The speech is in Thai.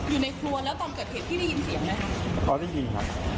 อยู่ในครัวแล้วตอนเกิดเหตุพี่ได้ยินเสียงไหมคะตอนได้ยินครับ